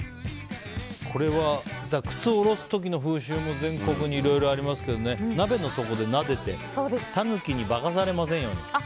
これは靴をおろす時の風習も全国にいろいろありますけど鍋の底でなでて、タヌキにばかされませんように。